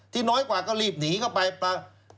ที่น้อยกว่าก็รีบหนีเข้าไป